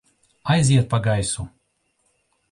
Aiziet pa gaisu!